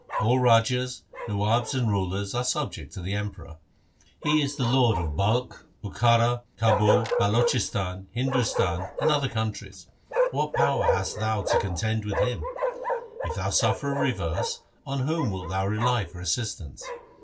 All rajas, nawabs, and rulers, are subject to the Emperor. He is the lord of Balkh, Bukhara, Kabul, Balochistan, Hindustan and other countries. What power hast thou to contend with him ? If thou suffer a reverse, on whom wilt thou rely for assistance